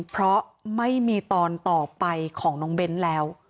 เพราะไม่มีตอนต่อไปของน้องเบ้นแล้ว